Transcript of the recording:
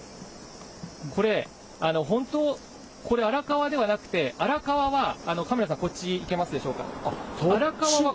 これ、本当、これ、荒川ではなくて、荒川はカメラさん、こっち行けますでしょうか。